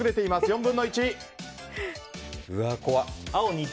４分の１。